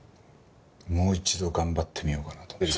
もう一度頑張ってみようかなと思って。